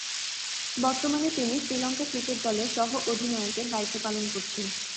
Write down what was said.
বর্তমানে তিনি শ্রীলঙ্কা ক্রিকেট দলের সহঃ অধিনায়কের দায়িত্ব পালন করছেন।